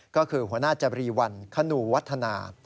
ก็คือหัวหน้าจบรีวัลคนูวัฒนา